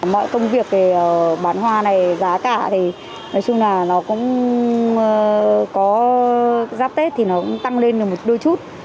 mọi công việc về bán hoa này giá cả thì nói chung là nó cũng có giáp tết thì nó cũng tăng lên được một đôi chút